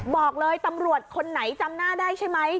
บอกเลยตำรวจคนไหนจำหน้าได้ใช่ไหม